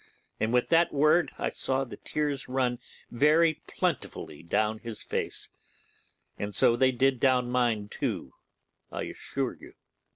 And with that word I saw the tears run very plentifully down his face; and so they did down mine too, I assure you.